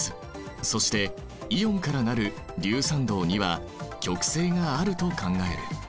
そしてイオンから成る硫酸銅は極性があると考える。